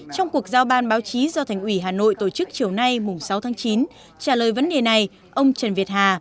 trong cuộc giao ban báo chí do thành ủy hà nội tổ chức chiều nay sáu tháng chín trả lời vấn đề này ông trần việt hà